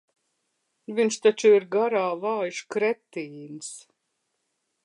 Viņš taču ir garā vājš kretīns.